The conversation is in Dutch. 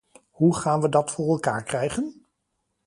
Hoe gaan we dat voor elkaar krijgen?